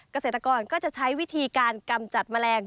เกษตรกรก็จะใช้วิธีการกำจัดแมลง